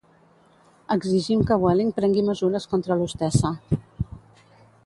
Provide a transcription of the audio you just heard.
Exigim que Vueling prengui mesures contra l'hostessa